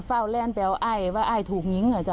เฝ้าแล้นไปเอาอ้ายว่าอ้ายถูกงิ้งอ่ะจ้ะ